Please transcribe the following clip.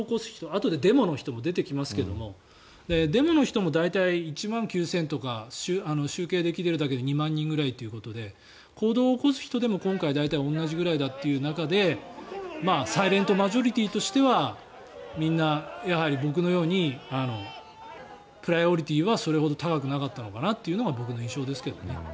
あとでデモの人も出てきますけどデモの人も大体１万９０００人とか集計できているだけで２万人ぐらいということで行動を起こす人でも今回、大体同じくらいという中でサイレントマジョリティーとしてはみんな僕のようにプライオリティーはそれほど高くなかったのかなというのが僕の印象ですけどね。